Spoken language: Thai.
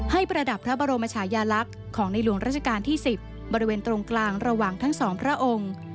ประดับพระบรมชายาลักษณ์ของในหลวงราชการที่๑๐บริเวณตรงกลางระหว่างทั้งสองพระองค์